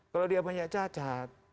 kalau dia banyak cacat